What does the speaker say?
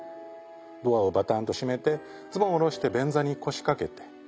ドアをバタンと閉めてズボンを下ろして便座に腰掛けて。